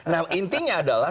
nah intinya adalah